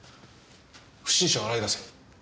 不審者を洗い出せ。